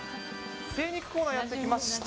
精肉コーナーやって来ました。